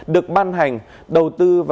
được ban hành đầu tư